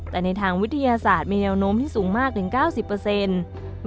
แต่ในทางวิทยาศาสตร์มีแนวโน้มที่สูงมากถึง๙๐